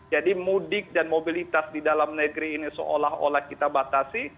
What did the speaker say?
jadi mudik dan mobilitas di dalam negeri ini seolah olah kita batasi